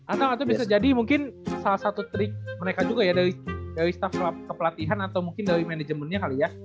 atau bisa jadi mungkin salah satu trik mereka juga ya dari staff kepelatihan atau mungkin dari manajemennya kali ya